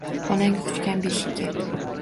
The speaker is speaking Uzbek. Onang quchgan beshikka